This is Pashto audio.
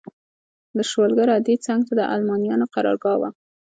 د شولګر اډې څنګ ته د المانیانو قرارګاه وه.